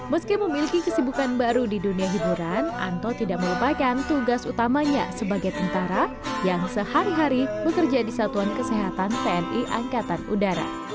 meski memiliki kesibukan baru di dunia hiburan anto tidak melupakan tugas utamanya sebagai tentara yang sehari hari bekerja di satuan kesehatan tni angkatan udara